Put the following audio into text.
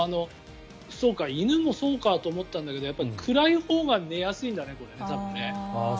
犬もそうかと思ったんだけどやっぱり暗いほうが寝やすいんだね、これね。